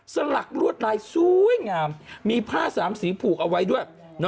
สลักลวดลายสวยงามมีผ้าสามสีผูกเอาไว้ด้วย